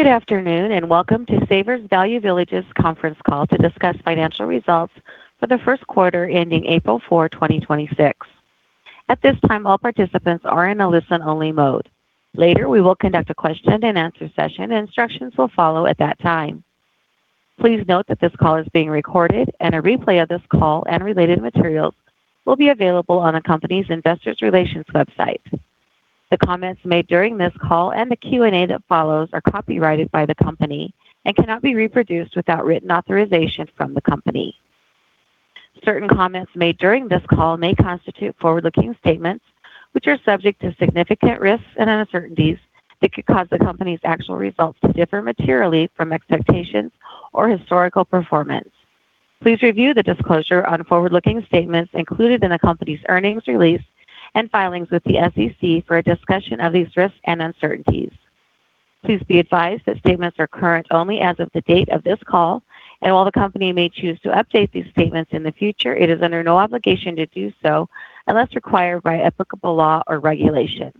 Good afternoon, and welcome to Savers Value Village's conference call to discuss financial results for the first quarter ending April 4, 2026. At this time, all participants are in a listen-only mode. Later, we will conduct a question-and-answer session. Instructions will follow at that time. Please note that this call is being recorded, and a replay of this call and related materials will be available on the company's investors relations website. The comments made during this call and the Q&A that follows are copyrighted by the company and cannot be reproduced without written authorization from the company. Certain comments made during this call may constitute forward-looking statements, which are subject to significant risks and uncertainties that could cause the company's actual results to differ materially from expectations or historical performance. Please review the disclosure on forward-looking statements included in the company's earnings release and filings with the SEC for a discussion of these risks and uncertainties. Please be advised that statements are current only as of the date of this call, and while the company may choose to update these statements in the future, it is under no obligation to do so unless required by applicable law or regulation.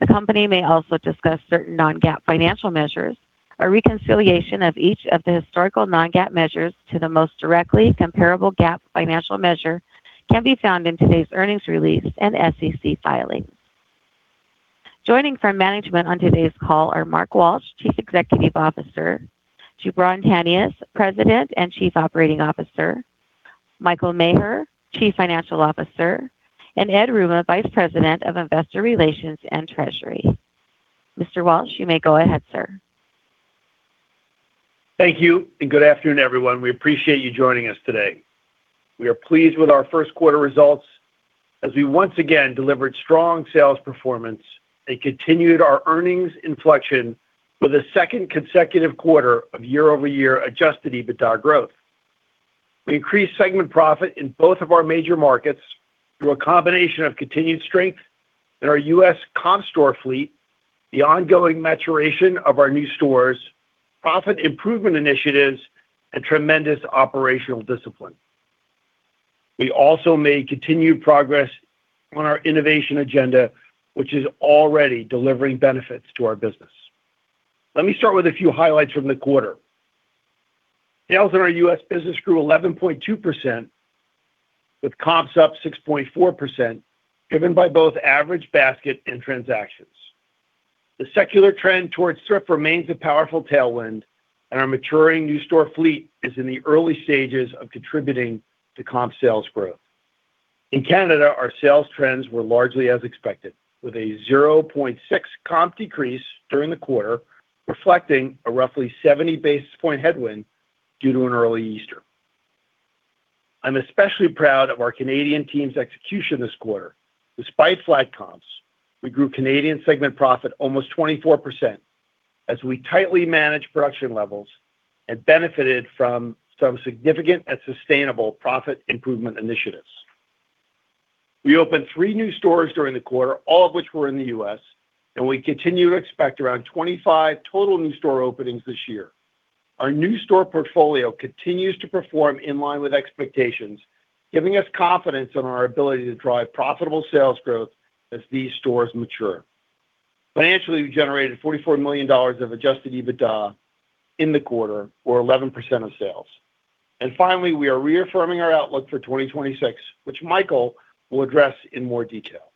The company may also discuss certain non-GAAP financial measures. A reconciliation of each of the historical non-GAAP measures to the most directly comparable GAAP financial measure can be found in today's earnings release and SEC filings. Joining from management on today's call are Mark Walsh, Chief Executive Officer, Jubran Tanious, President and Chief Operating Officer, Michael Maher, Chief Financial Officer, and Ed Yruma, Vice President of Investor Relations and Treasury. Mr. Walsh, you may go ahead, sir. Thank you. Good afternoon, everyone. We appreciate you joining us today. We are pleased with our first quarter results as we once again delivered strong sales performance and continued our earnings inflection for the second consecutive quarter of year-over-year adjusted EBITDA growth. We increased segment profit in both of our major markets through a combination of continued strength in our U.S. comp store fleet, the ongoing maturation of our new stores, profit improvement initiatives, and tremendous operational discipline. We also made continued progress on our innovation agenda, which is already delivering benefits to our business. Let me start with a few highlights from the quarter. Sales in our U.S. business grew 11.2% with comps up 6.4%, driven by both average basket and transactions. The secular trend towards thrift remains a powerful tailwind, and our maturing new store fleet is in the early stages of contributing to comp sales growth. In Canada, our sales trends were largely as expected, with a 0.6% comp decrease during the quarter, reflecting a roughly 70 basis point headwind due to an early Easter. I'm especially proud of our Canadian team's execution this quarter. Despite flat comps, we grew Canadian segment profit almost 24% as we tightly managed production levels and benefited from some significant and sustainable profit improvement initiatives. We opened three new stores during the quarter, all of which were in the U.S., and we continue to expect around 25 total new store openings this year. Our new store portfolio continues to perform in line with expectations, giving us confidence in our ability to drive profitable sales growth as these stores mature. Financially, we generated $44 million of adjusted EBITDA in the quarter, or 11% of sales. Finally, we are reaffirming our outlook for 2026, which Michael will address in more detail.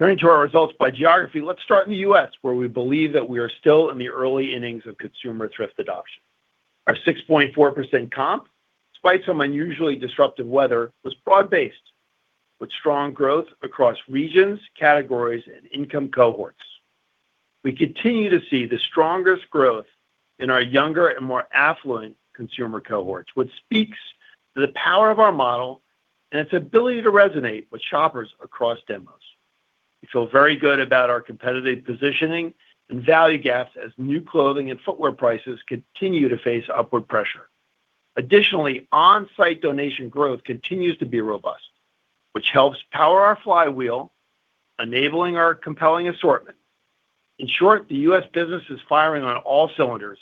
Turning to our results by geography, let's start in the U.S., where we believe that we are still in the early innings of consumer thrift adoption. Our 6.4% comp, despite some unusually disruptive weather, was broad-based with strong growth across regions, categories, and income cohorts. We continue to see the strongest growth in our younger and more affluent consumer cohorts, which speaks to the power of our model and its ability to resonate with shoppers across demos. We feel very good about our competitive positioning and value gaps as new clothing and footwear prices continue to face upward pressure. Additionally, on-site donation growth continues to be robust, which helps power our flywheel, enabling our compelling assortment. In short, the U.S. business is firing on all cylinders.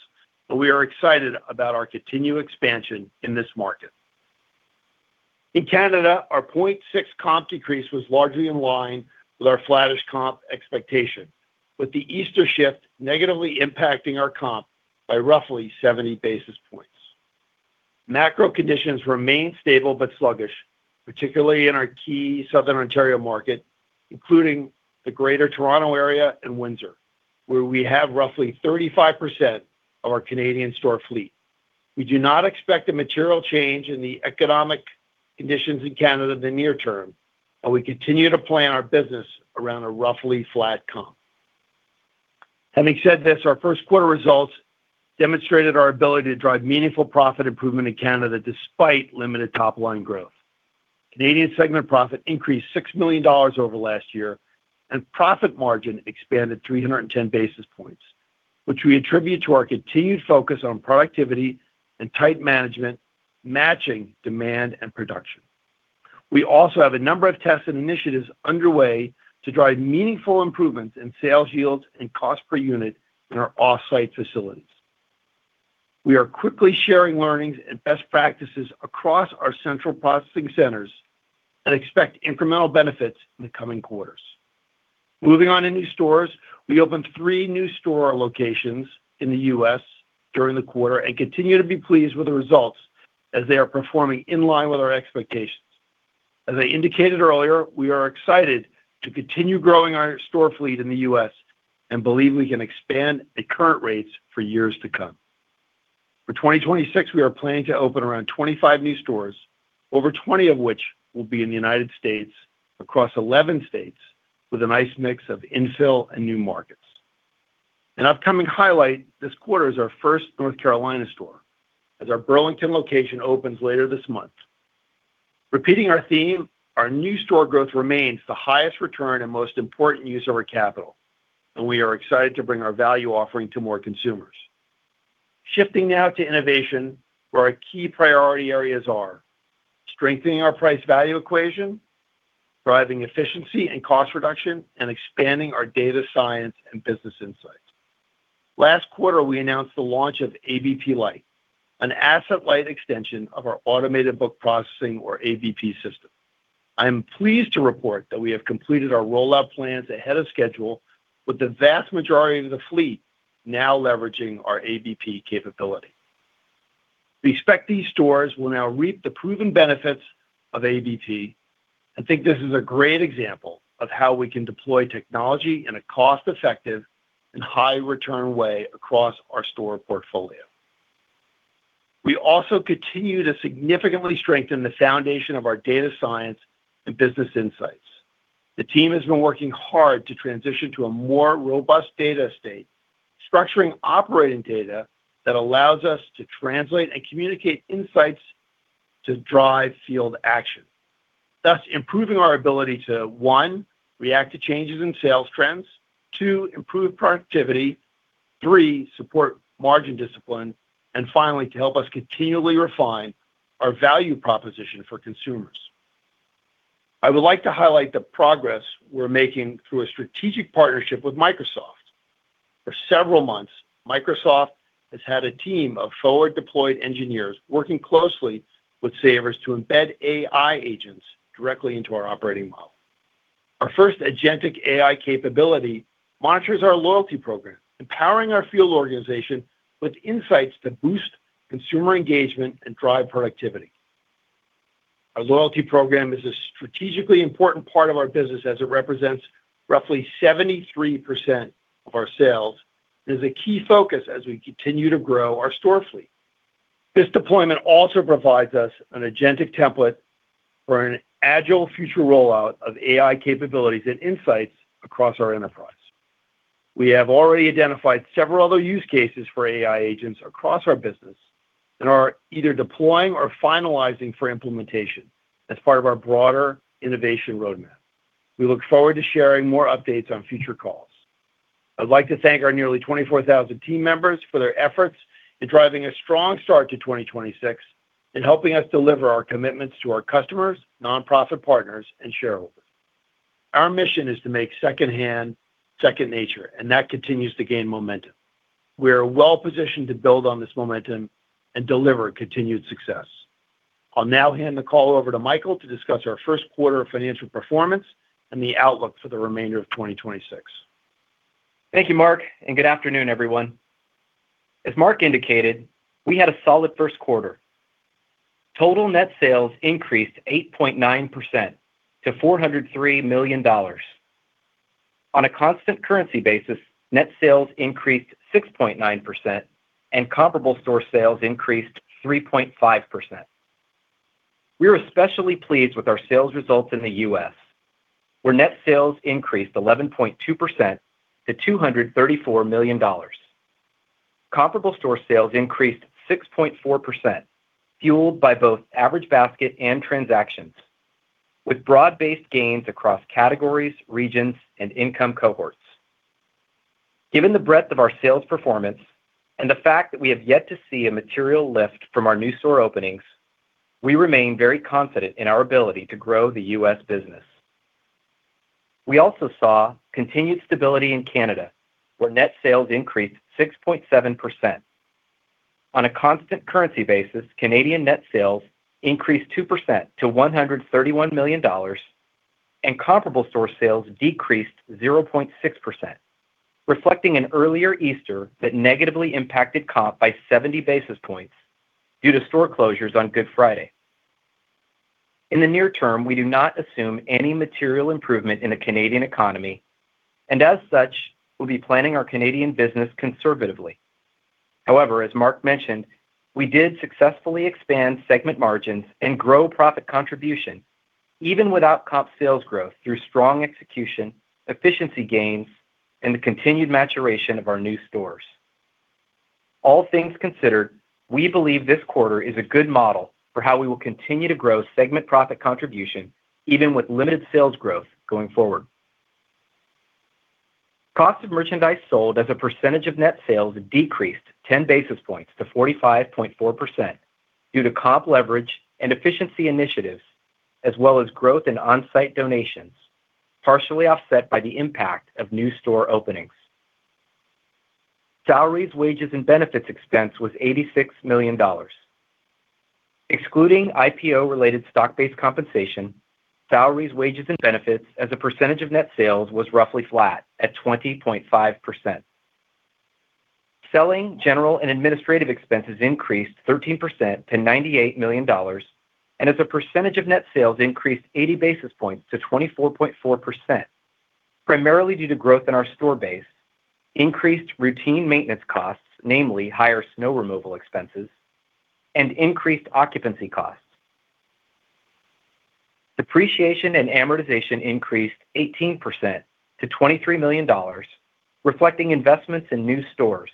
We are excited about our continued expansion in this market. In Canada, our 0.6% comp decrease was largely in line with our flattish comp expectation, with the Easter shift negatively impacting our comp by roughly 70 basis points. Macro conditions remain stable but sluggish, particularly in our key Southern Ontario market, including the Greater Toronto Area and Windsor, where we have roughly 35% of our Canadian store fleet. We do not expect a material change in the economic conditions in Canada in the near term. We continue to plan our business around a roughly flat comp. Having said this, our first quarter results demonstrated our ability to drive meaningful profit improvement in Canada despite limited top-line growth. Canadian segment profit increased $6 million over last year, and profit margin expanded 310 basis points, which we attribute to our continued focus on productivity and tight management, matching demand and production. We also have a number of tests and initiatives underway to drive meaningful improvements in sales yield and cost per unit in our off-site facilities. We are quickly sharing learnings and best practices across our Central Processing Centers and expect incremental benefits in the coming quarters. Moving on in these stores, we opened three new store locations in the U.S. during the quarter and continue to be pleased with the results as they are performing in line with our expectations. As I indicated earlier, we are excited to continue growing our store fleet in the U.S. and believe we can expand the current rates for years to come. For 2026, we are planning to open around 25 new stores, over 20 of which will be in the United States across 11 states with a nice mix of infill and new markets. An upcoming highlight this quarter is our first North Carolina store, as our Burlington location opens later this month. Repeating our theme, our new store growth remains the highest return and most important use of our capital, and we are excited to bring our value offering to more consumers. Shifting now to innovation, where our key priority areas are strengthening our price value equation, driving efficiency and cost reduction, and expanding our data science and business insights. Last quarter, we announced the launch of ABP Lite, an asset-light extension of our Automated Book Processing or ABP system. I am pleased to report that we have completed our rollout plans ahead of schedule, with the vast majority of the fleet now leveraging our ABP capability. We expect these stores will now reap the proven benefits of ABP. I think this is a great example of how we can deploy technology in a cost-effective and high-return way across our store portfolio. We also continue to significantly strengthen the foundation of our data science and business insights. The team has been working hard to transition to a more robust data state, structuring operating data that allows us to translate and communicate insights to drive field action. Thus improving our ability to, one, react to changes in sales trends. Two, improve productivity. Three, support margin discipline. And finally, to help us continually refine our value proposition for consumers. I would like to highlight the progress we're making through a strategic partnership with Microsoft. For several months, Microsoft has had a team of forward-deployed engineers working closely with Savers to embed AI agents directly into our operating model. Our first agentic AI capability monitors our loyalty program, empowering our field organization with insights that boost consumer engagement and drive productivity. Our loyalty program is a strategically important part of our business as it represents roughly 73% of our sales and is a key focus as we continue to grow our store fleet. This deployment also provides us an agentic template for an agile future rollout of AI capabilities and insights across our enterprise. We have already identified several other use cases for AI agents across our business and are either deploying or finalizing for implementation as part of our broader innovation roadmap. We look forward to sharing more updates on future calls. I'd like to thank our nearly 24,000 team members for their efforts in driving a strong start to 2026 and helping us deliver our commitments to our customers, nonprofit partners, and shareholders. Our mission is to make secondhand second nature, and that continues to gain momentum. We are well-positioned to build on this momentum and deliver continued success. I'll now hand the call over to Michael to discuss our first quarter financial performance and the outlook for the remainder of 2026. Thank you, Mark, and good afternoon, everyone. As Mark indicated, we had a solid first quarter. Total net sales increased 8.9% to $403 million. On a constant currency basis, net sales increased 6.9% and comparable store sales increased 3.5%. We are especially pleased with our sales results in the U.S., where net sales increased 11.2% to $234 million. Comparable store sales increased 6.4%, fueled by both average basket and transactions, with broad-based gains across categories, regions, and income cohorts. Given the breadth of our sales performance and the fact that we have yet to see a material lift from our new store openings, we remain very confident in our ability to grow the U.S. business. We also saw continued stability in Canada, where net sales increased 6.7%. On a constant currency basis, Canadian net sales increased 2% to 131 million dollars, and comparable store sales decreased 0.6%, reflecting an earlier Easter that negatively impacted comp by 70 basis points due to store closures on Good Friday. In the near term, we do not assume any material improvement in the Canadian economy. As such, we'll be planning our Canadian business conservatively. However, as Mark mentioned, we did successfully expand segment margins and grow profit contribution even without comp sales growth through strong execution, efficiency gains, and the continued maturation of our new stores. All things considered, we believe this quarter is a good model for how we will continue to grow segment profit contribution even with limited sales growth going forward. Cost of merchandise sold as a percentage of net sales decreased 10 basis points to 45.4% due to comp leverage and efficiency initiatives as well as growth in on-site donations, partially offset by the impact of new store openings. Salaries, wages, and benefits expense was $86 million. Excluding IPO related stock-based compensation, salaries, wages, and benefits as a percentage of net sales was roughly flat at 20.5%. Selling general and administrative expenses increased 13% to $98 million, and as a percentage of net sales increased 80 basis points to 24.4%, primarily due to growth in our store base, increased routine maintenance costs, namely higher snow removal expenses, and increased occupancy costs. Depreciation and amortization increased 18% to $23 million, reflecting investments in new stores.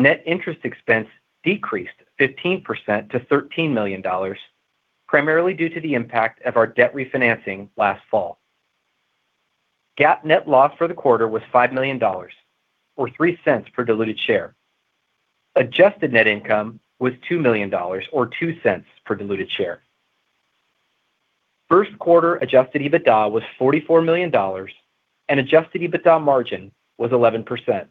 Net interest expense decreased 15% to $13 million, primarily due to the impact of our debt refinancing last fall. GAAP net loss for the quarter was $5 million or $0.03 per diluted share. Adjusted net income was $2 million or $0.02 per diluted share. First quarter adjusted EBITDA was $44 million, and adjusted EBITDA margin was 11%.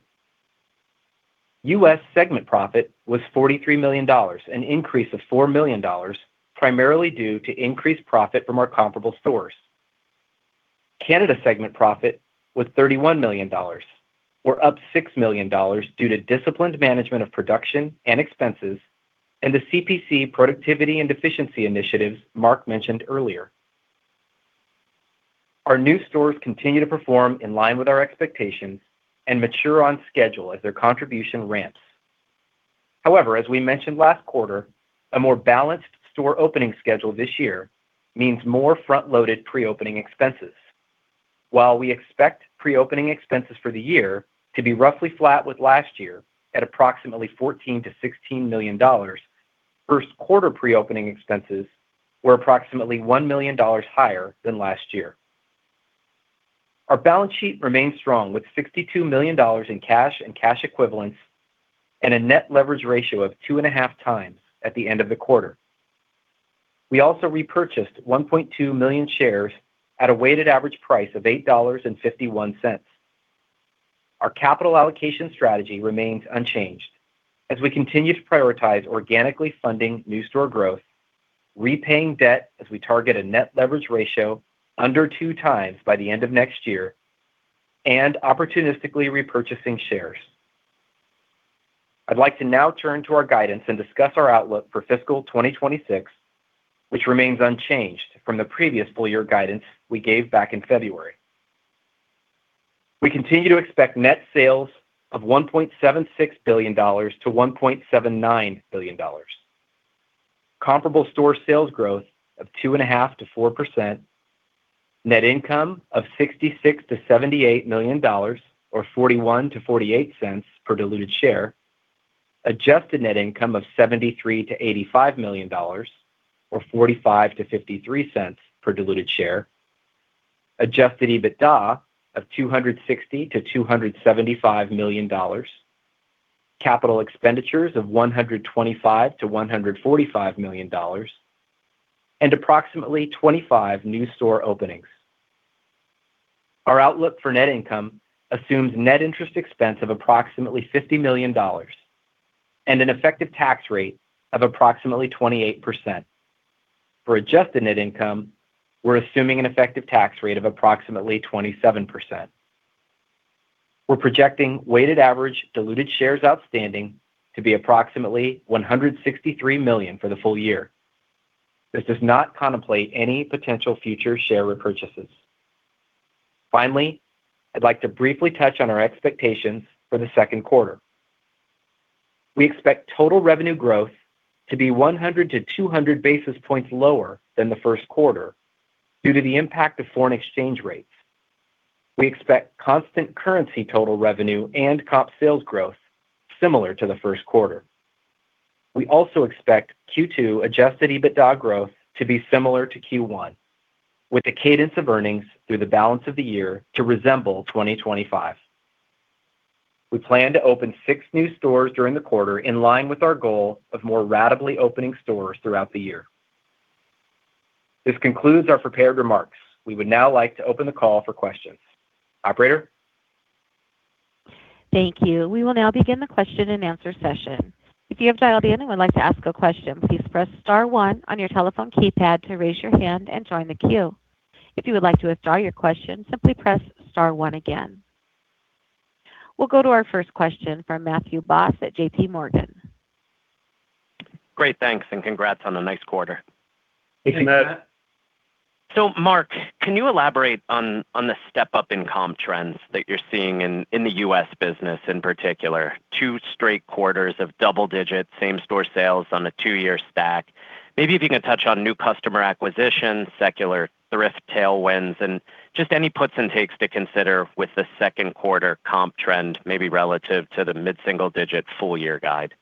U.S. segment profit was $43 million, an increase of $4 million, primarily due to increased profit from our comparable stores. Canada segment profit was $31 million, or up $6 million due to disciplined management of production and expenses and the CPC productivity and efficiency initiatives Mark mentioned earlier. Our new stores continue to perform in line with our expectations and mature on schedule as their contribution ramps. However, as we mentioned last quarter, a more balanced store opening schedule this year means more front-loaded pre-opening expenses. While we expect pre-opening expenses for the year to be roughly flat with last year at approximately $14 million-$16 million, first quarter pre-opening expenses were approximately $1 million higher than last year. Our balance sheet remains strong with $62 million in cash and cash equivalents and a net leverage ratio of 2.5x at the end of the quarter. We also repurchased 1.2 million shares at a weighted average price of $8.51. Our capital allocation strategy remains unchanged as we continue to prioritize organically funding new store growth, repaying debt as we target a net leverage ratio under 2x by the end of next year, and opportunistically repurchasing shares. I'd like to now turn to our guidance and discuss our outlook for fiscal 2026, which remains unchanged from the previous full year guidance we gave back in February. We continue to expect net sales of $1.76 billion-$1.79 billion. Comparable store sales growth of 2.5%-4%. Net income of $66 million-$78 million or $0.41-$0.48 per diluted share. Adjusted net income of $73 million-$85 million or $0.45-$0.53 per diluted share. Adjusted EBITDA of $260 million-$275 million. Capital expenditures of $125 million-$145 million. Approximately 25 new store openings. Our outlook for net income assumes net interest expense of approximately $50 million and an effective tax rate of approximately 28%. For adjusted net income, we're assuming an effective tax rate of approximately 27%. We're projecting weighted average diluted shares outstanding to be approximately 163 million for the full year. This does not contemplate any potential future share repurchases. Finally, I'd like to briefly touch on our expectations for the second quarter. We expect total revenue growth to be 100-200 basis points lower than the first quarter due to the impact of foreign exchange rates. We expect constant currency total revenue and comp sales growth similar to the first quarter. We also expect Q2 adjusted EBITDA growth to be similar to Q1, with the cadence of earnings through the balance of the year to resemble 2025. We plan to open six new stores during the quarter, in line with our goal of more ratably opening stores throughout the year. This concludes our prepared remarks. We would now like to open the call for questions. Operator? Thank you. We will now begin the question and answer session. If you have dialed in and would like to ask a question, please press star one on your telephone keypad to raise your hand and join the queue. If you would like to withdraw your question, simply press star one again. We'll go to our first question from Matthew Boss at JPMorgan. Great, thanks. Congrats on a nice quarter. Thanks, Matt. Mark, can you elaborate on the step-up in comp trends that you're seeing in the U.S. business in particular? Two straight quarters of double digits, same store sales on a two-year stack. Maybe if you can touch on new customer acquisition, secular thrift tailwinds, and just any puts and takes to consider with the second quarter comp trend, maybe relative to the mid-single digit full year guide.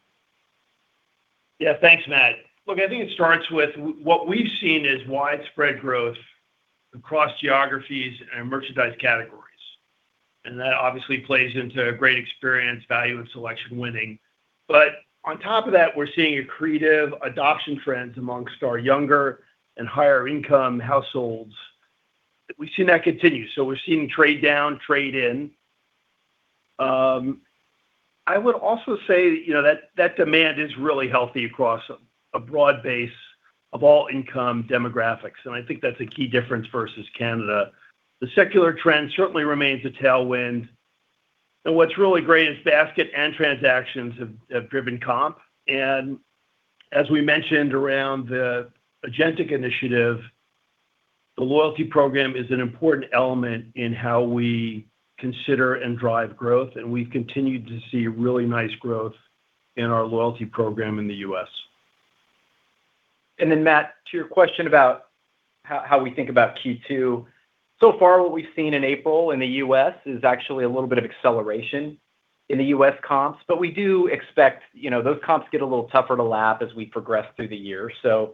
Yeah. Thanks, Matt. Look, I think it starts with what we've seen is widespread growth across geographies and merchandise categories. That obviously plays into a great experience, value, and selection winning. On top of that, we're seeing accretive adoption trends amongst our younger and higher income households. We've seen that continue. We're seeing trade down, trade in. I would also say that, you know, that demand is really healthy across a broad base of all income demographics, and I think that's a key difference versus Canada. The secular trend certainly remains a tailwind. What's really great is basket and transactions have driven comp. As we mentioned around the agentic initiative, the loyalty program is an important element in how we consider and drive growth, and we've continued to see really nice growth in our loyalty program in the U.S. Matt, to your question about how we think about Q2. So far what we've seen in April in the U.S. is actually a little bit of acceleration in the U.S. comps, but we do expect, you know, those comps get a little tougher to lap as we progress through the year. Still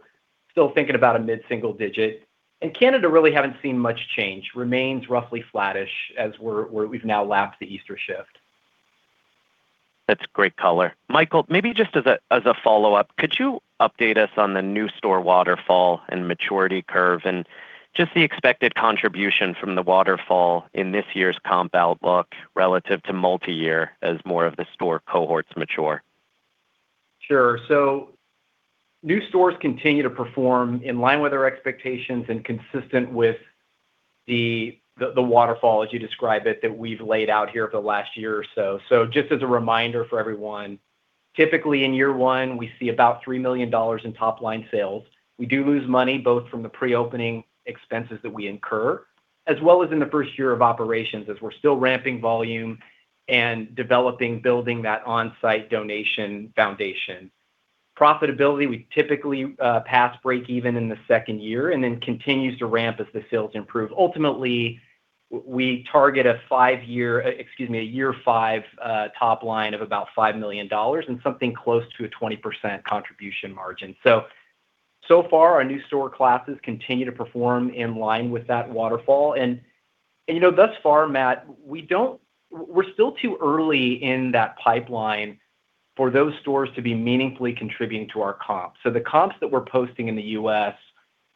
thinking about a mid-single digit. In Canada, really haven't seen much change. Remains roughly flattish as we've now lapped the Easter shift. That's great color. Michael, maybe just as a follow-up, could you update us on the new store waterfall and maturity curve and just the expected contribution from the waterfall in this year's comp outlook relative to multi-year as more of the store cohorts mature? Sure. New stores continue to perform in line with our expectations and consistent with the waterfall, as you describe it, that we've laid out here for the last year or so. Just as a reminder for everyone, typically in year one, we see about $3 million in top line sales. We do lose money, both from the pre-opening expenses that we incur, as well as in the first year of operations, as we're still ramping volume and developing, building that on-site donation foundation. Profitability, we typically pass break even in the second year, and then continues to ramp as the sales improve. Ultimately, we target, excuse me, a year five, top line of about $5 million and something close to a 20% contribution margin. So far our new store classes continue to perform in line with that waterfall. You know, thus far, Matt, we're still too early in that pipeline for those stores to be meaningfully contributing to our comps. The comps that we're posting in the U.S.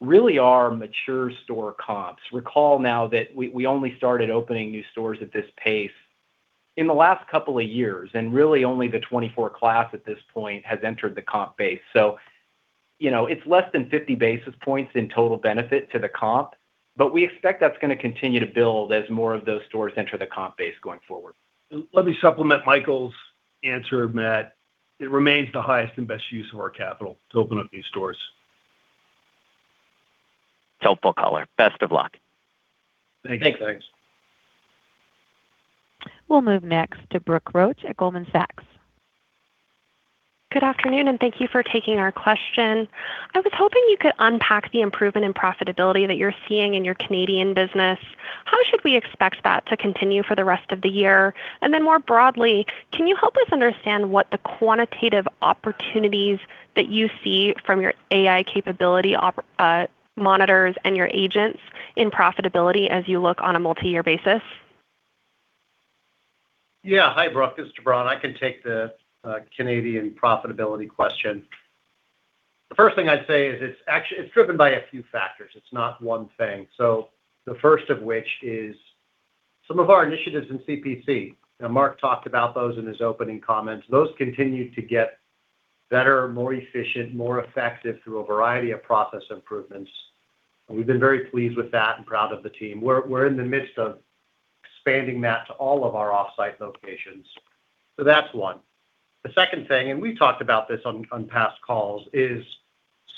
really are mature store comps. Recall now that we only started opening new stores at this pace in the last couple of years, and really only the 24 class at this point has entered the comp base. You know, it's less than 50 basis points in total benefit to the comp, but we expect that's gonna continue to build as more of those stores enter the comp base going forward. Let me supplement Michael's answer, Matt. It remains the highest and best use of our capital to open up new stores. Helpful color. Best of luck. Thanks. Thanks. We'll move next to Brooke Roach at Goldman Sachs. Good afternoon, and thank you for taking our question. I was hoping you could unpack the improvement in profitability that you're seeing in your Canadian business. How should we expect that to continue for the rest of the year? Then more broadly, can you help us understand what the quantitative opportunities that you see from your AI capability monitors and your agents in profitability as you look on a multi-year basis? Yeah. Hi, Brooke. This is Jubran. I can take the Canadian profitability question. The first thing I'd say is actually, it's driven by a few factors. It's not one thing. The first of which is some of our initiatives in CPC, and Mark Walsh talked about those in his opening comments. Those continue to get better, more efficient, more effective through a variety of process improvements. We've been very pleased with that and proud of the team. We're in the midst of expanding that to all of our off-site locations. That's one. The second thing, and we've talked about this on past calls, is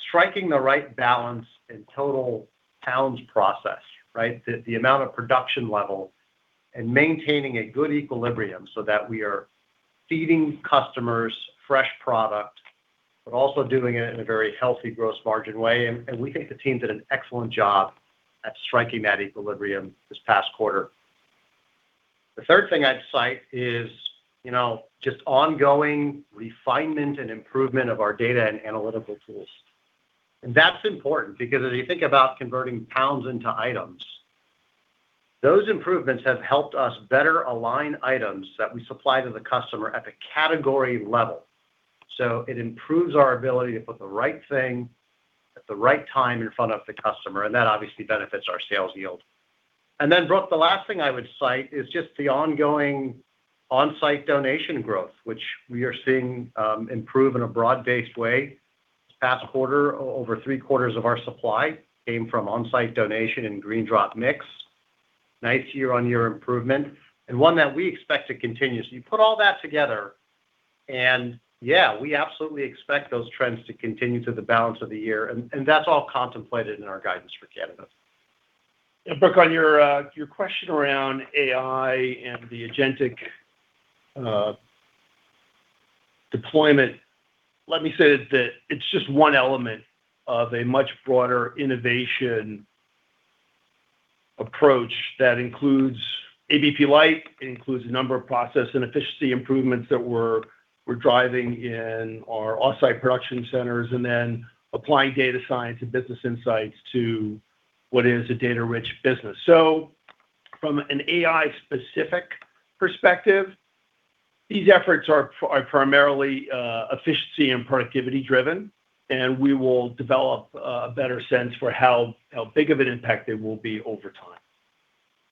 striking the right balance in total pounds processed, right? The amount of production level and maintaining a good equilibrium so that we are feeding customers fresh product, but also doing it in a very healthy gross margin way. We think the team did an excellent job at striking that equilibrium this past quarter. The third thing I'd cite is, you know, just ongoing refinement and improvement of our data and analytical tools. That's important because as you think about converting pounds into items, those improvements have helped us better align items that we supply to the customer at the category level. It improves our ability to put the right thing at the right time in front of the customer, and that obviously benefits our sales yield. Then Brooke, the last thing I would cite is just the ongoing on-site donation growth, which we are seeing improve in a broad-based way. This past quarter, over three-quarters of our supply came from on-site donation and GreenDrop mix. Nice year-on-year improvement and one that we expect to continue. You put all that together, and yeah, we absolutely expect those trends to continue through the balance of the year and that's all contemplated in our guidance for Canada. Brooke, on your question around AI and the agentic deployment, let me say that it's just one element of a much broader innovation approach that includes ABP Lite, it includes a number of process and efficiency improvements that we're driving in our offsite production centers, and then applying data science and business insights to what is a data-rich business. From an AI specific perspective, these efforts are primarily efficiency and productivity driven. We will develop a better sense for how big of an impact it will be over time.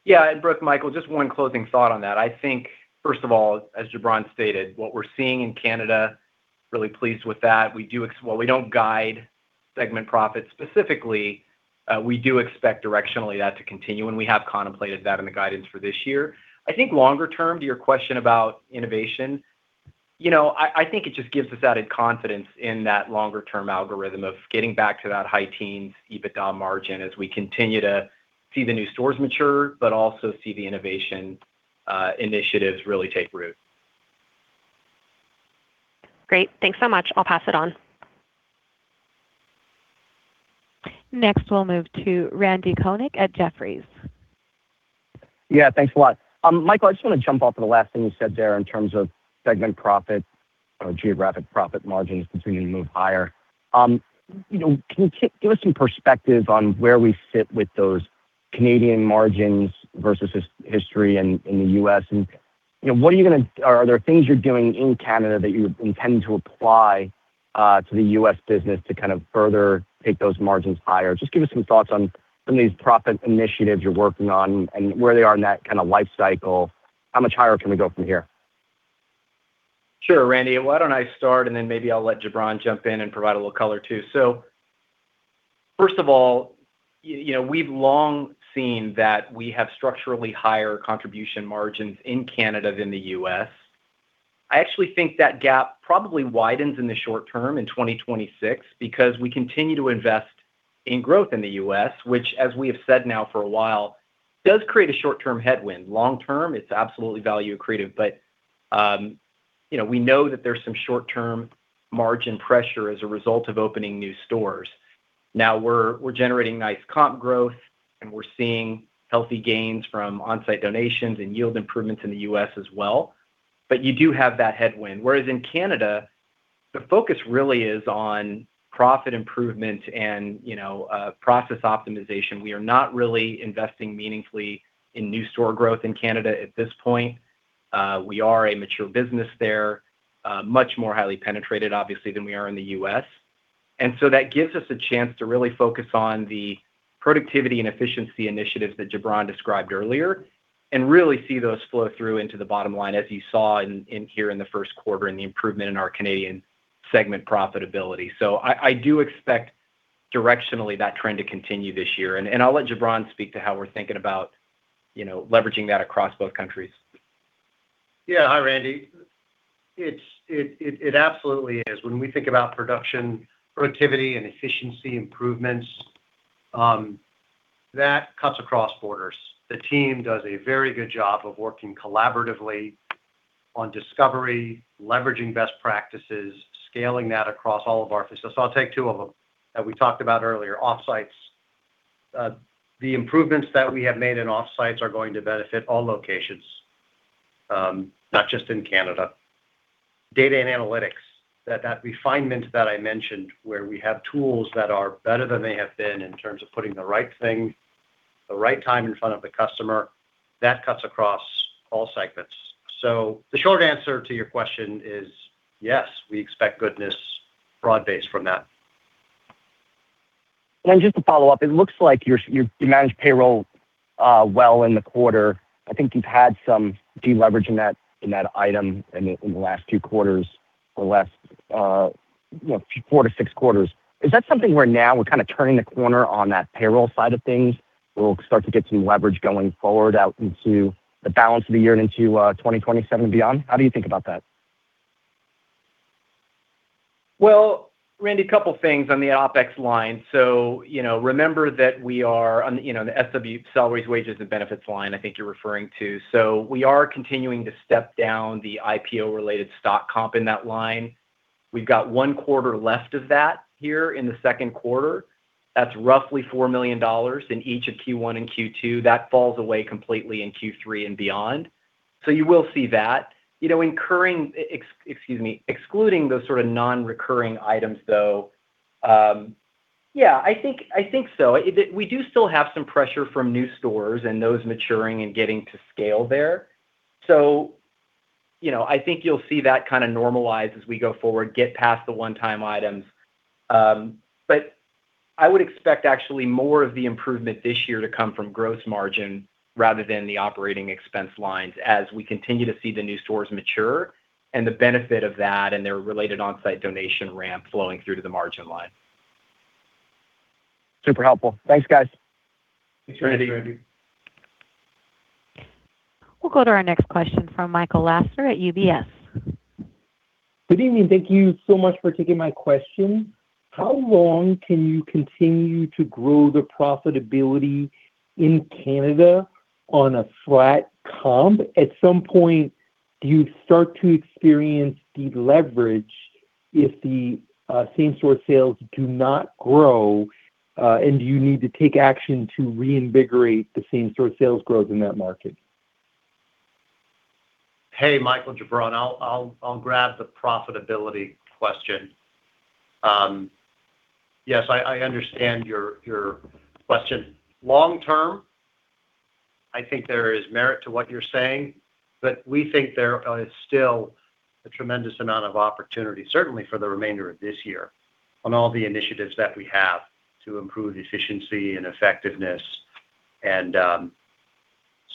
Yeah. Brooke, this is Michael, just one closing thought on that. I think first of all, as Jubran stated, what we're seeing in Canada, really pleased with that. We do. While we don't guide segment profits specifically, we do expect directionally that to continue, and we have contemplated that in the guidance for this year. I think longer term, to your question about innovation, you know, I think it just gives us added confidence in that longer term algorithm of getting back to that high teens EBITDA margin as we continue to see the new stores mature, but also see the innovation initiatives really take root. Great. Thanks so much. I'll pass it on. Next, we'll move to Randy Konik at Jefferies. Yeah, thanks a lot. Michael, I just wanna jump off of the last thing you said there in terms of segment profit or geographic profit margins continuing to move higher. You know, can you give us some perspective on where we sit with those Canadian margins versus history in the U.S., and, you know, what are the things you're doing in Canada that you intend to apply to the U.S. business to kind of further take those margins higher? Just give us some thoughts on some of these profit initiatives you're working on and where they are in that kinda life cycle. How much higher can we go from here? Sure, Randy. Why don't I start, and then maybe I'll let Jubran jump in and provide a little color too. First of all, you know, we've long seen that we have structurally higher contribution margins in Canada than the U.S. I actually think that gap probably widens in the short term in 2026 because we continue to invest in growth in the U.S., which as we have said now for a while, does create a short-term headwind. Long-term, it's absolutely value accretive. You know, we know that there's some short-term margin pressure as a result of opening new stores. Now we're generating nice comp growth, and we're seeing healthy gains from on-site donations and yield improvements in the U.S. as well, you do have that headwind. Whereas in Canada, the focus really is on profit improvement and, you know, process optimization. We are not really investing meaningfully in new store growth in Canada at this point. We are a mature business there, much more highly penetrated obviously than we are in the U.S. That gives us a chance to really focus on the productivity and efficiency initiatives that Jubran described earlier and really see those flow through into the bottom line as you saw in here in the first quarter and the improvement in our Canadian segment profitability. I do expect directionally that trend to continue this year. I'll let Jubran speak to how we're thinking about, you know, leveraging that across both countries. Yeah. Hi, Randy. It's absolutely is. When we think about production, productivity and efficiency improvements, that cuts across borders. The team does a very good job of working collaboratively on discovery, leveraging best practices, scaling that across all of our facilities. I'll take two of them that we talked about earlier. Offsites. The improvements that we have made in offsites are going to benefit all locations, not just in Canada. Data and analytics. That refinement that I mentioned where we have tools that are better than they have been in terms of putting the right thing, the right time in front of the customer, that cuts across all segments. The short answer to your question is, yes, we expect goodness broad-based from that. Just to follow up, it looks like you managed payroll well in the quarter. I think you've had some deleveraging that, in that item in the last two quarters or less, you know, four to six quarters. Is that something where now we're kind of turning the corner on that payroll side of things? We'll start to get some leverage going forward out into the balance of the year and into 2027 and beyond. How do you think about that? Well Randy, a couple things on the OpEx line. You know, remember that we are on the, you know, the SWB, Salaries, Wages, and Benefits line I think you're referring to. We are continuing to step down the IPO related stock comp in that line. We've got one quarter left of that here in the second quarter. That's roughly $4 million in each of Q1 and Q2. That falls away completely in Q3 and beyond. You will see that. You know, excuse me, excluding those sort of non-recurring items though, I think so. We do still have some pressure from new stores and those maturing and getting to scale there. You know, I think you'll see that kinda normalize as we go forward, get past the one-time items. I would expect actually more of the improvement this year to come from gross margin rather than the operating expense lines as we continue to see the new stores mature and the benefit of that and their related on-site donation ramp flowing through to the margin line. Super helpful. Thanks, guys. Thanks, Randy. Thanks, Randy. We'll go to our next question from Michael Lasser at UBS. Good evening. Thank you so much for taking my question. How long can you continue to grow the profitability in Canada on a flat comp? At some point, do you start to experience deleverage if the same-store sales do not grow and you need to take action to reinvigorate the same-store sales growth in that market? Hey, Michael. Jubran on, I'll grab the profitability question. Yes, I understand your question. Long term, I think there is merit to what you're saying, but we think there is still a tremendous amount of opportunity, certainly for the remainder of this year, on all the initiatives that we have to improve efficiency and effectiveness.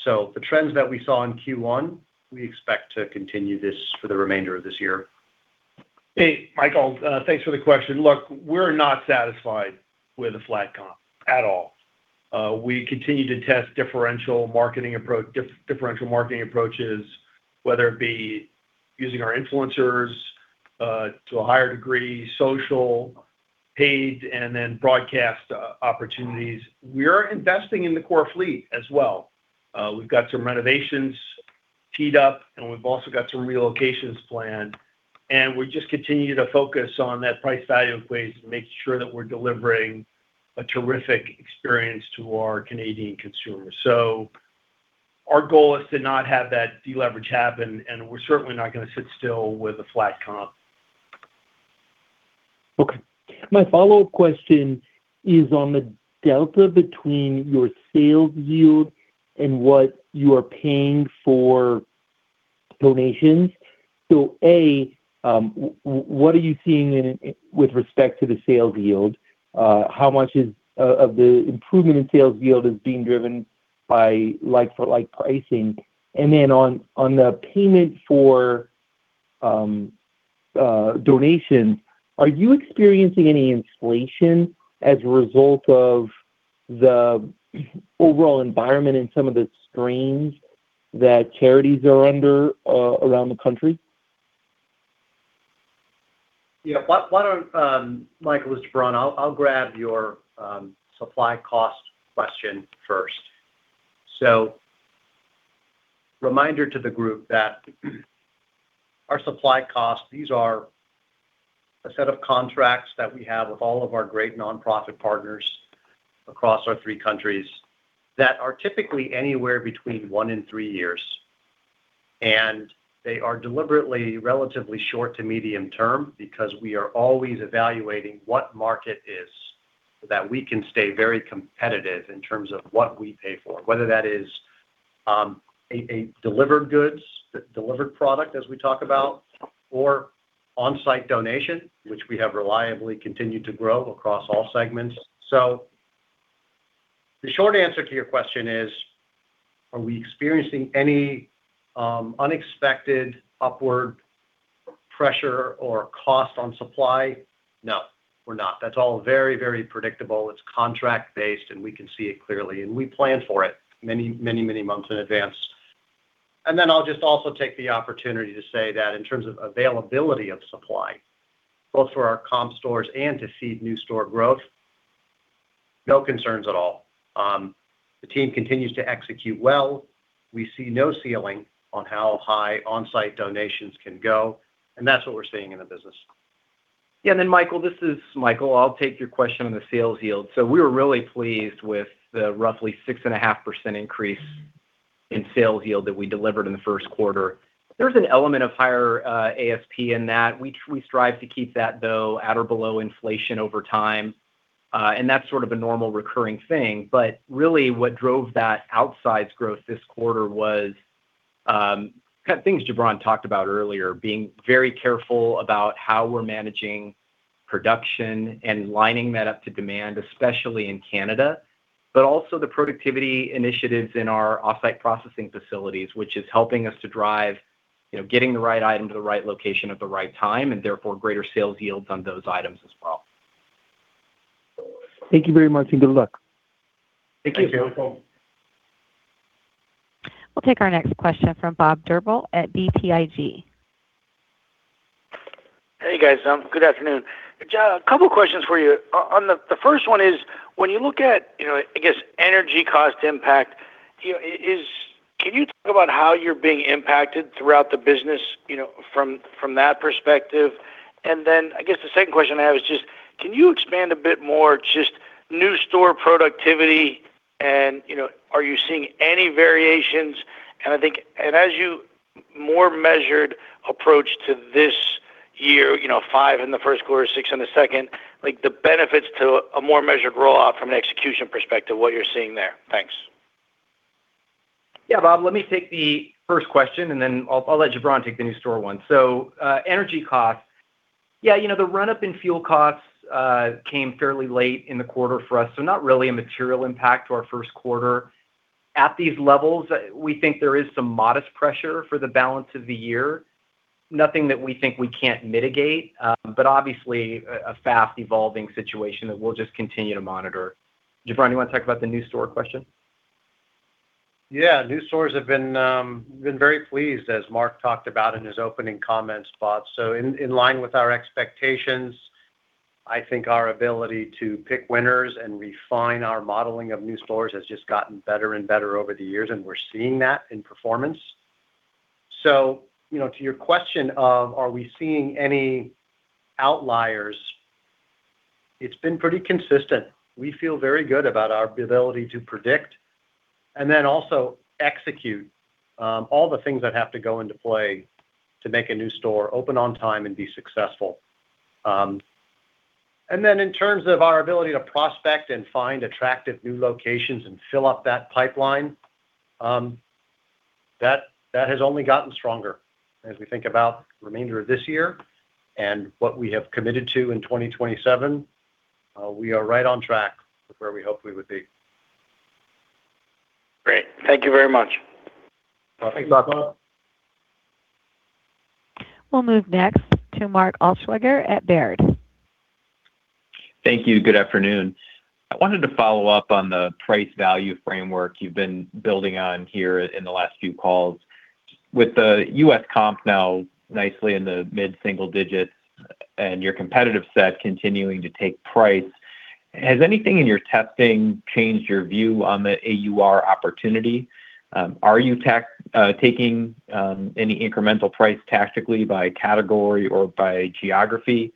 The trends that we saw in Q1, we expect to continue this for the remainder of this year. Hey, Michael, thanks for the question. Look, we're not satisfied with a flat comp at all. We continue to test differential marketing approaches, whether it be using our influencers, to a higher degree, social, paid, and then broadcast opportunities. We're investing in the core fleet as well. We've got some renovations teed up, and we've also got some relocations planned. We just continue to focus on that price value equation to make sure that we're delivering a terrific experience to our Canadian consumers. Our goal is to not have that deleverage happen, and we're certainly not gonna sit still with a flat comp. Okay. My follow-up question is on the delta between your sales yield and what you are paying for donations. What are you seeing in, with respect to the sales yield? How much is of the improvement in sales yield is being driven by like-for-like pricing? On the payment for donation, are you experiencing any inflation as a result of the overall environment and some of the strains that charities are under around the country? Why don't. Michael, this is Jubran, I'll grab your supply cost question first. Reminder to the group that our supply costs, these are a set of contracts that we have with all of our great nonprofit partners across our three countries that are typically anywhere between one and three years. They are deliberately relatively short to medium term because we are always evaluating what market is so that we can stay very competitive in terms of what we pay for, whether that is a delivered goods, a delivered product as we talk about, or on-site donation, which we have reliably continued to grow across all segments. The short answer to your question is, are we experiencing any unexpected upward pressure or cost on supply? No, we're not. That's all very, very predictable. It's contract based, and we can see it clearly, and we plan for it many, many, many months in advance. I'll just also take the opportunity to say that in terms of availability of supply, both for our comp stores and to feed new store growth, no concerns at all. The team continues to execute well. We see no ceiling on how high on-site donations can go, and that's what we're seeing in the business. Yeah. Michael, this is Michael. I'll take your question on the sales yield. We were really pleased with the roughly 6.5% increase in sales yield that we delivered in the first quarter. There's an element of higher ASP in that. We strive to keep that, though, at or below inflation over time. That's sort of a normal recurring thing. Really what drove that outsized growth this quarter was kind of things Jubran talked about earlier, being very careful about how we're managing production and lining that up to demand, especially in Canada, but also the productivity initiatives in our offsite processing facilities, which is helping us to drive, you know, getting the right item to the right location at the right time, and therefore, greater sales yields on those items as well. Thank you very much, and good luck. Thank you. Thank you. You're welcome. We'll take our next question from Bob Drbul at BTIG. Hey, guys. good afternoon. Yeah, a couple questions for you. The first one is, when you look at, you know, I guess, energy cost impact, you know, can you talk about how you're being impacted throughout the business, you know, from that perspective? Then I guess the second question I have is just, can you expand a bit more just new store productivity and, you know, are you seeing any variations? As you more measured approach to this year, you know, five in the first quarter, six in the second, like the benefits to a more measured rollout from an execution perspective, what you're seeing there. Thanks. Yeah. Bob, let me take the first question. I'll let Jubran take the new store one. Energy costs. Yeah, you know, the run-up in fuel costs came fairly late in the quarter for us, not really a material impact to our first quarter. At these levels, we think there is some modest pressure for the balance of the year. Nothing that we think we can't mitigate, obviously a fast evolving situation that we'll just continue to monitor. Jubran, you wanna talk about the new store question? Yeah. New stores have been very pleased, as Mark talked about in his opening comments, Bob, in line with our expectations. I think our ability to pick winners and refine our modeling of new stores has just gotten better and better over the years, and we're seeing that in performance. To your question of are we seeing any outliers, it's been pretty consistent. We feel very good about our ability to predict and then also execute all the things that have to go into play to make a new store open on time and be successful. In terms of our ability to prospect and find attractive new locations and fill up that pipeline, that has only gotten stronger as we think about the remainder of this year and what we have committed to in 2027. We are right on track with where we hopefully would be. Great. Thank you very much. Thanks, Bob. We'll move next to Mark Altschwager at Baird. Thank you. Good afternoon. I wanted to follow up on the price value framework you've been building on here in the last few calls. With the U.S. comp now nicely in the mid-single digits and your competitive set continuing to take price, has anything in your testing changed your view on the AUR opportunity? Are you taking any incremental price tactically by category or by geography?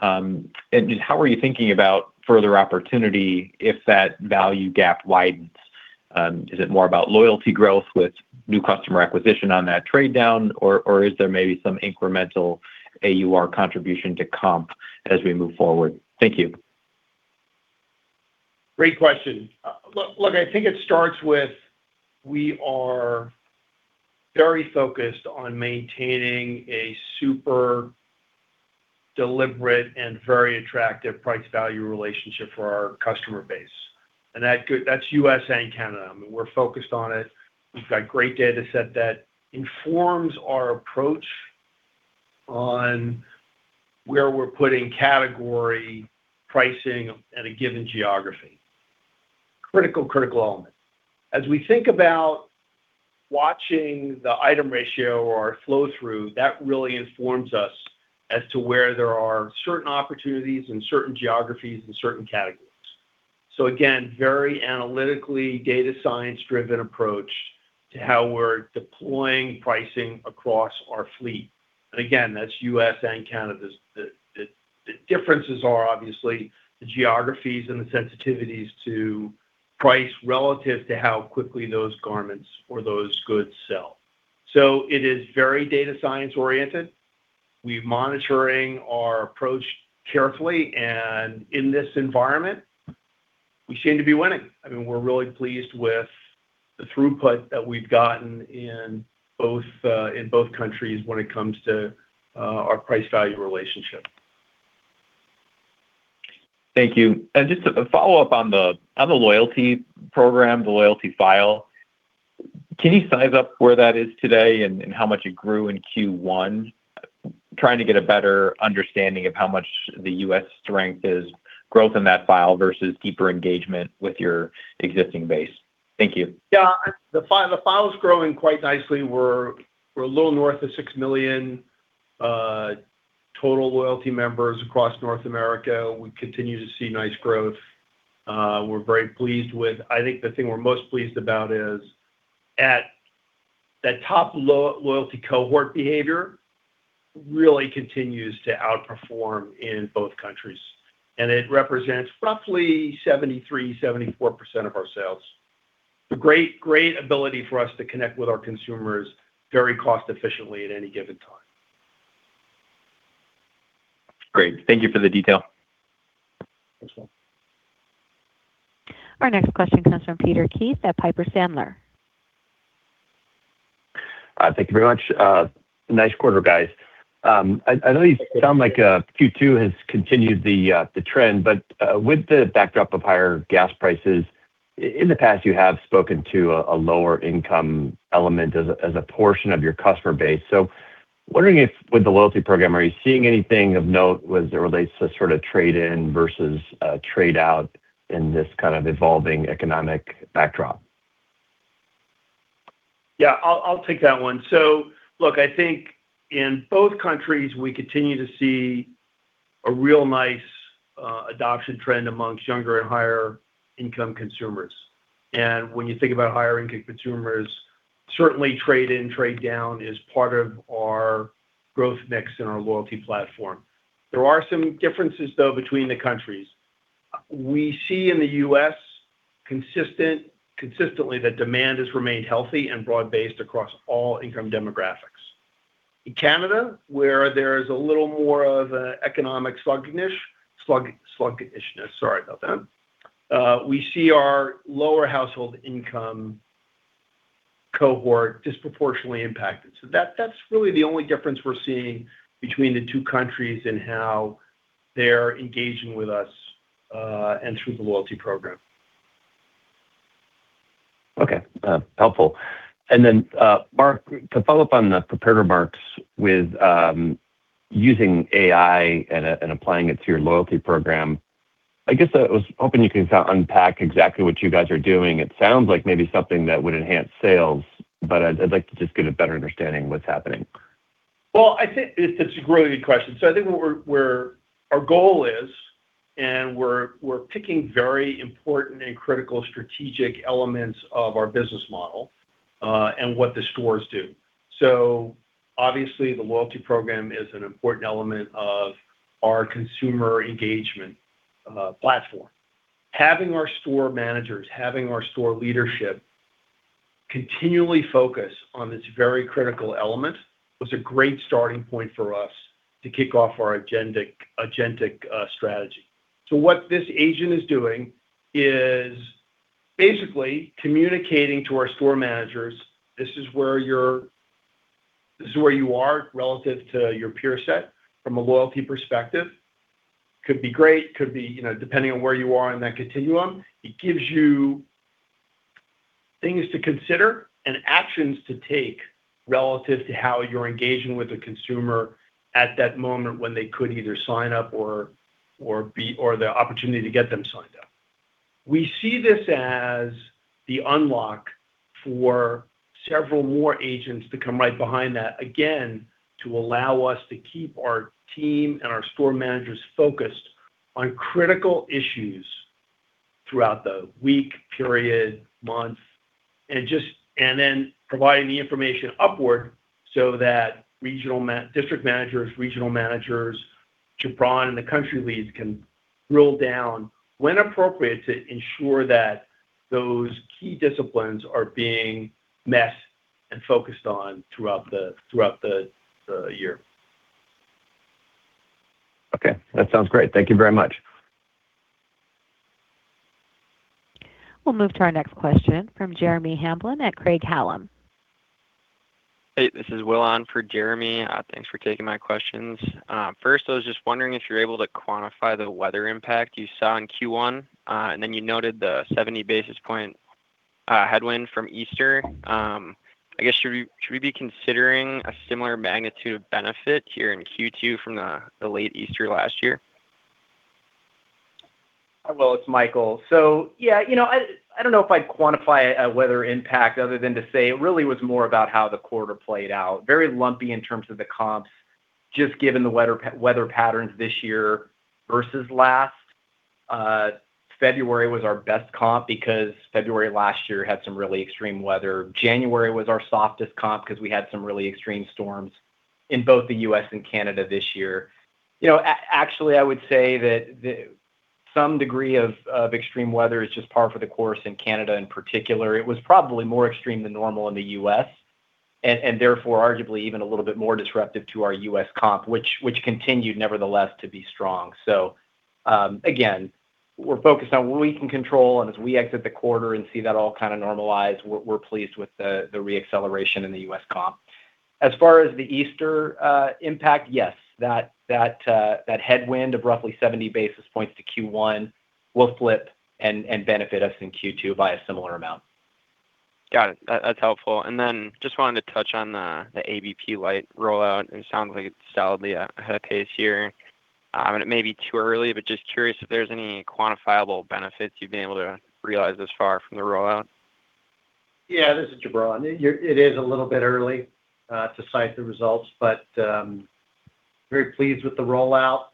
How are you thinking about further opportunity if that value gap widens? Is it more about loyalty growth with new customer acquisition on that trade down, or is there maybe some incremental AUR contribution to comp as we move forward? Thank you. Great question. Look, I think it starts with we are very focused on maintaining a super deliberate and very attractive price value relationship for our customer base. That's U.S. and Canada, and we're focused on it. We've got great data set that informs our approach on where we're putting category pricing at a given geography. Critical critical element. As we think about watching the item ratio or our flow-through, that really informs us as to where there are certain opportunities and certain geographies and certain categories. Again, very analytically data science driven approach to how we're deploying pricing across our fleet. Again, that's U.S. and Canada. The differences are obviously the geographies and the sensitivities to price relative to how quickly those garments or those goods sell. It is very data science oriented. We're monitoring our approach carefully, and in this environment, we seem to be winning. I mean, we're really pleased with the throughput that we've gotten in both in both countries when it comes to our price value relationship. Thank you. Just a follow-up on the loyalty program, the loyalty file, can you size up where that is today and how much it grew in Q1? Trying to get a better understanding of how much the U.S. strength is growth in that file versus deeper engagement with your existing base. Thank you. Yeah. The file is growing quite nicely. We're a little north of 6 million total loyalty members across North America. We continue to see nice growth. We're very pleased with I think the thing we're most pleased about is at that top loyalty cohort behavior really continues to outperform in both countries, and it represents roughly 73%, 74% of our sales. A great ability for us to connect with our consumers very cost efficiently at any given time. Great. Thank you for the detail. Thanks, Mark. Our next question comes from Peter Keith at Piper Sandler. Thank you very much. Nice quarter, guys. I know you sound like Q2 has continued the trend, but with the backdrop of higher gas prices, in the past, you have spoken to a lower income element as a portion of your customer base. Wondering if with the loyalty program, are you seeing anything of note as it relates to sort of trade-in versus trade-out in this kind of evolving economic backdrop? I'll take that one. Look, I think in both countries, we continue to see a real nice adoption trend amongst younger and higher income consumers. When you think about higher income consumers, certainly trade-in, trade-down is part of our growth mix in our loyalty platform. There are some differences, though, between the countries. We see in the U.S. consistently that demand has remained healthy and broad-based across all income demographics. In Canada, where there is a little more of an economic sluggishness, sorry about that, we see our lower household income cohort disproportionately impacted. That's really the only difference we're seeing between the two countries and how they're engaging with us and through the loyalty program. Okay. Helpful. Then Mark, to follow up on the prepared remarks with, using AI and applying it to your loyalty program. I guess I was hoping you can kind of unpack exactly what you guys are doing. It sounds like maybe something that would enhance sales, but I'd like to just get a better understanding of what's happening. Well, I think it's a really good question. I think what we're our goal is, and we're picking very important and critical strategic elements of our business model, and what the stores do. Obviously the loyalty program is an important element of our consumer engagement platform. Having our store managers, having our store leadership continually focus on this very critical element was a great starting point for us to kick off our agentic strategy. What this agent is doing is basically communicating to our store managers this is where you are relative to your peer set from a loyalty perspective. Could be great, could be, you know, depending on where you are in that continuum. It gives you things to consider and actions to take relative to how you're engaging with the consumer at that moment when they could either sign up or the opportunity to get them signed up. We see this as the unlock for several more agents to come right behind that, again, to allow us to keep our team and our store managers focused on critical issues throughout the week, period, month. Then providing the information upward so that district managers, regional managers, Jubran and the country leads can drill down when appropriate to ensure that those key disciplines are being met and focused on throughout the year. Okay. That sounds great. Thank you very much. We'll move to our next question from Jeremy Hamblin at Craig-Hallum. Hey, this is Will on for Jeremy. Thanks for taking my questions. First, I was just wondering if you're able to quantify the weather impact you saw in Q1. Then you noted the 70 basis point headwind from Easter. I guess should we be considering a similar magnitude of benefit here in Q2 from the late Easter last year? Well, it's Michael. Yeah, you know, I don't know if I'd quantify a weather impact other than to say it really was more about how the quarter played out. Very lumpy in terms of the comps, just given the weather patterns this year versus last. February was our best comp because February last year had some really extreme weather. January was our softest comp because we had some really extreme storms in both the U.S. and Canada this year. You know, actually, I would say that some degree of extreme weather is just par for the course in Canada in particular. It was probably more extreme than normal in the U.S. and therefore arguably even a little bit more disruptive to our U.S. comp which continued nevertheless to be strong. Again, we're focused on what we can control and as we exit the quarter and see that all kind of normalize, we're pleased with the re-acceleration in the U.S. comp. As far as the Easter impact, yes, that headwind of roughly 70 basis points to Q1 will flip and benefit us in Q2 by a similar amount. Got it. That's helpful. Just wanted to touch on the ABP Lite rollout. It sounds like it's solidly a case here. It may be too early, but just curious if there's any quantifiable benefits you've been able to realize thus far from the rollout. Yeah. This is Jubran. It is a little bit early to cite the results, but very pleased with the rollout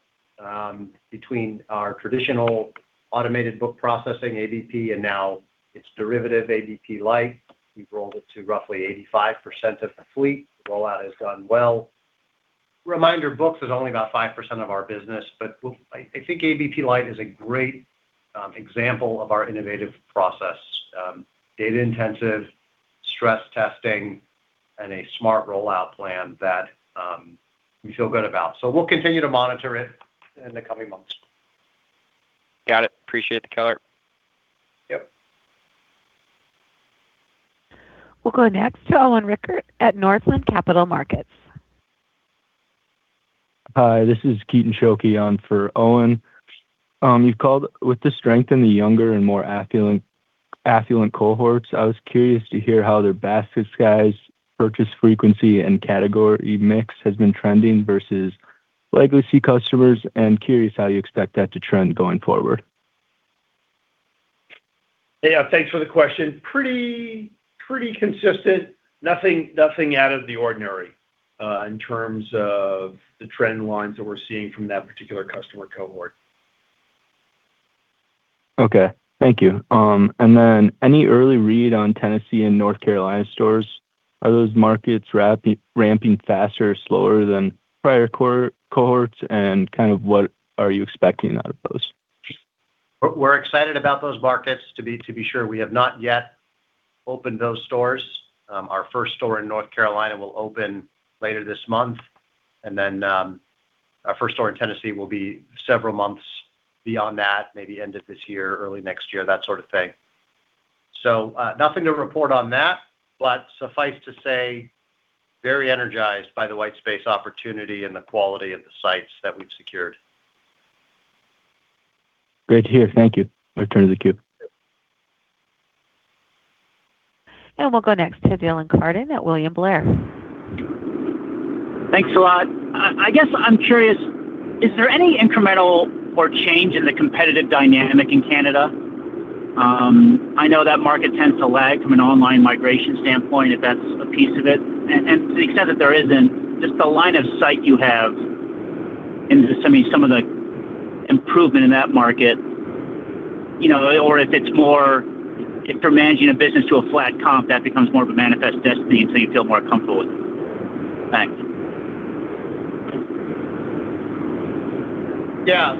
between our traditional Automated Book Processing, ABP, and now its derivative, ABP Lite. We've rolled it to roughly 85% of the fleet. Rollout has gone well. Reminder, Books is only about 5% of our business, but I think ABP Lite is a great example of our innovative process. Data intensive stress testing and a smart rollout plan that we feel good about. We'll continue to monitor it in the coming months. Got it. Appreciate the color. Yep. We'll go next to Owen Rickert at Northland Capital Markets. Hi, this is Keaton Schuelke on for Owen. You've called with the strength in the younger and more affluent cohorts, I was curious to hear how their basket size, purchase frequency, and category mix has been trending versus legacy customers and curious how you expect that to trend going forward. Yeah. Thanks for the question. Pretty consistent. Nothing out of the ordinary, in terms of the trend lines that we're seeing from that particular customer cohort. Okay. Thank you. Any early read on Tennessee and North Carolina stores, are those markets ramping faster or slower than prior cohorts, and kind of what are you expecting out of those? We're excited about those markets to be, to be sure. We have not yet opened those stores. Our first store in North Carolina will open later this month. Our first store in Tennessee will be several months beyond that, maybe end of this year, early next year, that sort of thing. Nothing to report on that, but suffice to say very energized by the white space opportunity and the quality of the sites that we've secured. Great to hear. Thank you. I return to the queue. We'll go next to Dylan Carden at William Blair. Thanks a lot. I guess I'm curious, is there any incremental or change in the competitive dynamic in Canada? I know that market tends to lag from an online migration standpoint, if that's a piece of it. To the extent that there isn't, just the line of sight you have into some of the improvement in that market, you know, or if it's more, if you're managing a business to a flat comp, that becomes more of a manifest destiny, you feel more comfortable with it. Thanks. Yeah.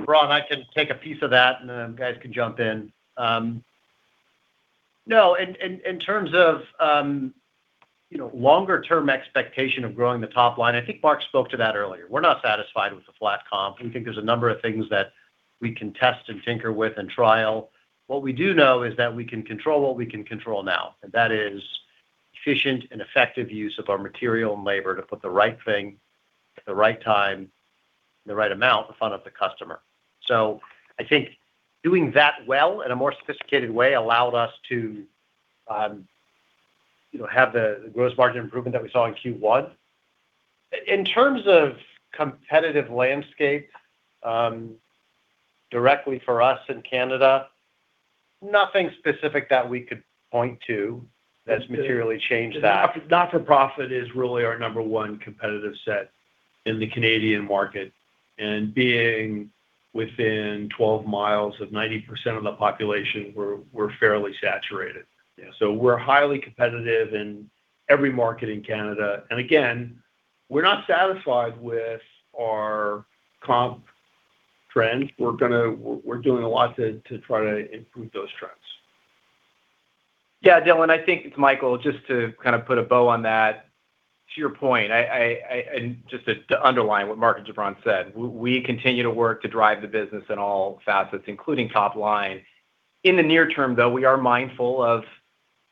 Jubran, I can take a piece of that, and then guys can jump in. In terms of, you know, longer term expectation of growing the top line, I think Mark spoke to that earlier. We're not satisfied with the flat comp. We think there's a number of things that we can test and tinker with and trial. What we do know is that we can control what we can control now, and that is efficient and effective use of our material and labor to put the right thing at the right time in the right amount in front of the customer. I think doing that well in a more sophisticated way allowed us to, you know, have the gross margin improvement that we saw in Q1. In terms of competitive landscape, directly for us in Canada, nothing specific that we could point to that's materially changed that. The not-for-profit is really our number one competitive set in the Canadian market. Being within 12 mi of 90% of the population, we're fairly saturated. Yeah. We're highly competitive in every market in Canada. Again, we're not satisfied with our comp trends. We're doing a lot to try to improve those trends. Yeah, Dylan, I think it's Michael. Just to kind of put a bow on that. To your point, I just to underline what Mark and Jubran said, we continue to work to drive the business in all facets, including top line. In the near term, though, we are mindful of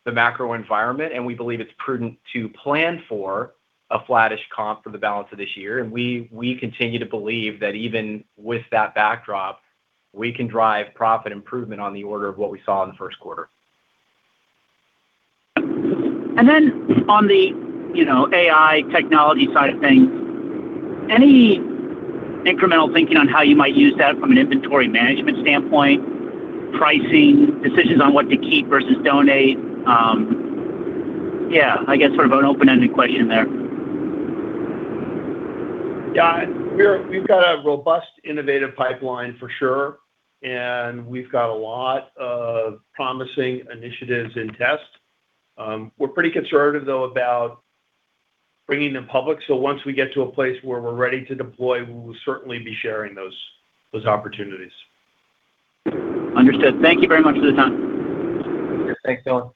the macro environment, and we believe it's prudent to plan for a flattish comp for the balance of this year. We continue to believe that even with that backdrop, we can drive profit improvement on the order of what we saw in the first quarter. On the, you know, AI technology side of things, any incremental thinking on how you might use that from an inventory management standpoint, pricing, decisions on what to keep versus donate? Yeah, I guess sort of an open-ended question there. We've got a robust innovative pipeline for sure, and we've got a lot of promising initiatives in test. We're pretty conservative though about bringing them public. Once we get to a place where we're ready to deploy, we will certainly be sharing those opportunities. Understood. Thank you very much for the time. Thanks, Dylan.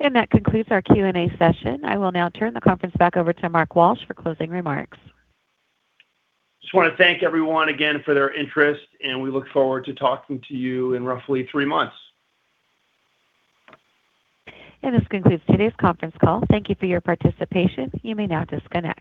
That concludes our Q&A session. I will now turn the conference back over to Mark Walsh for closing remarks. Just wanna thank everyone again for their interest, and we look forward to talking to you in roughly three months. This concludes today's conference call. Thank you for your participation. You may now disconnect.